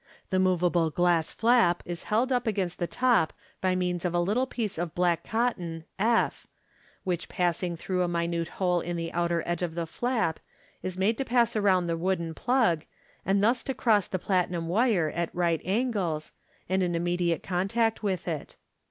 The Fig. 310. moveable gla^s flap is held up against the top by means of a little piece of black cotton f, which, passing through a minute hole in the outer edge of the flap, is made to pass round the wooden plug, and thus to cross the platinum wire at light angles, and in immediate contact with it.